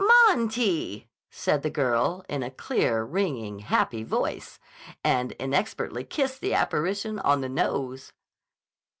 "Monty!" said the girl in a clear, ringing, happy voice, and inexpertly kissed the apparition on the nose.